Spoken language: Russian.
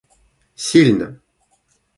сильно